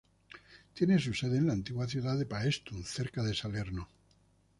Tiene su sede en la antigua ciudad de Paestum, cerca de Salerno.